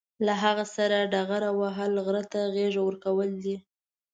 له هغه سره ډغره وهل، غره ته غېږ ورکول دي.